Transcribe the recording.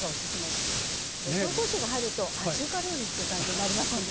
紹興酒が入ると中華料理っていう感じになりますんでね。